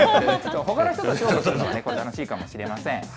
ほかの人と勝負するのは楽しいかもしれません。